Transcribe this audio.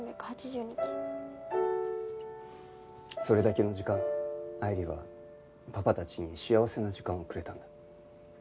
それだけの時間愛理はパパたちに幸せな時間をくれたんだ。